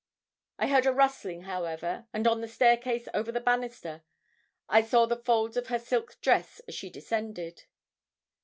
I heard a rustling, however, and on the staircase over the banister I saw the folds of her silk dress as she descended.